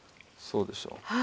そうでしょう？